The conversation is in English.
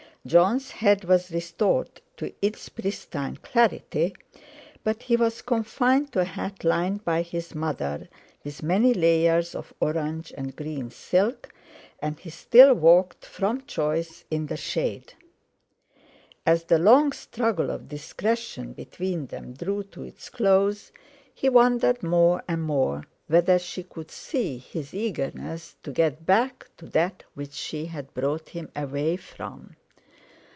Jon's head was restored to its pristine clarity, but he was confined to a hat lined by his mother with many layers of orange and green silk and he still walked from choice in the shade. As the long struggle of discretion between them drew to its close, he wondered more and more whether she could see his eagerness to get back to that which she had brought him away from.